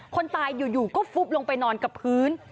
คนตายอยู่ก็ฟุบลงไปนอนกับพื้น